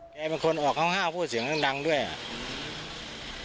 แกเป็นคนก็เหาะเข้าห้าว่ะพูดเสียงเป็นดังด้วยอ่ะ